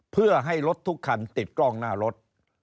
เพื่อให้รถทุกคันติดกล้องหน้ารถ